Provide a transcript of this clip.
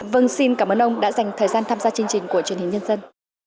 vâng xin cảm ơn ông đã dành thời gian tham gia chương trình của truyền hình nhân dân